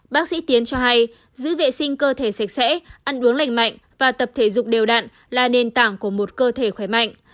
bác sĩ tiến cho hay giữ vệ sinh cơ thể sạch sẽ ăn uống lành mạnh và tập thể dục đều đạn là nền tảng của một cơ thể khỏe mạnh